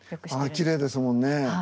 あきれいですもんね。